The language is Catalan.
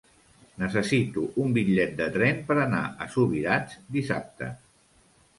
Necessito un bitllet de tren per anar a Subirats dissabte.